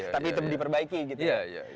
tapi itu diperbaiki gitu ya